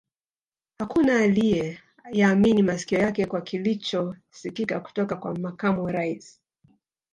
Hakuna aliye yaamini masikio yake kwa kilicho sikika kutoka kwa Makamu wa Rais